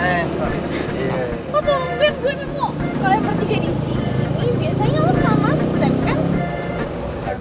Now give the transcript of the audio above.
kalo yang ketiga disini biasanya lo sama sam kan